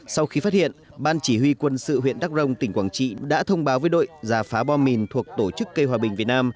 sau khi phát hiện ban chỉ huy quân sự huyện đắk rông tỉnh quảng trị đã thông báo với đội giả phá bom mìn thuộc tổ chức cây hòa bình việt nam